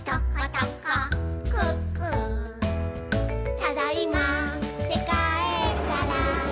「ただいまーってかえったら」